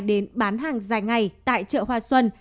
đến bán hàng dài ngày tại chợ hoa xuân